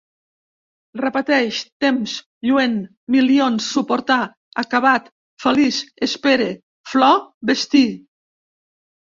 Repeteix: temps, lluent, milions, suportar, acabat, feliç, espere, flor, vestir